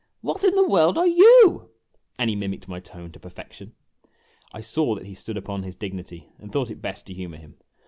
" What in the world are you ; And he mimicked my tone to perfection. I saw that he stood upon his dignity, and thought it best to humor him.